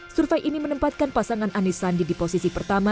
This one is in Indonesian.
survei ini menempatkan pasangan anis sandi di posisi pertama